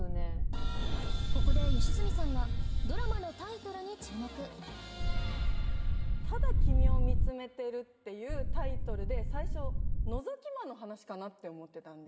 ここで吉住さんが『ただ、君を見つめてる』っていうタイトルで最初のぞき魔の話かなって思ってたんですよ。